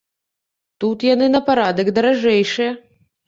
Тут яны на парадак даражэйшыя.